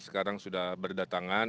sekarang sudah berdatangan